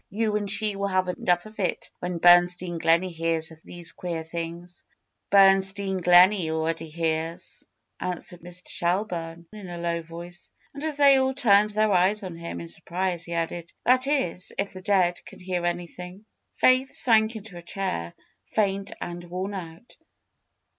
You and she will have enough of it when Bernstein Gleney hears of these queer doings." Bernstein Gleney already hears,^' answered Mr. Shelburne in a low voice. And as they all turned their eyes on him in surprise he added: ^^That is, if the dead can hear anything." Faith sank into a chair, faint and worn out.